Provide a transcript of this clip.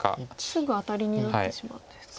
すぐアタリになってしまうんですか。